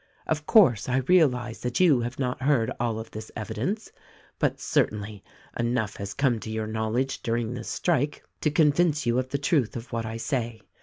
Of course, I realize that you have not heard all of this evidence ; but certainly, enough has come to your knowledge during this strike to convince you of the truth of what I say.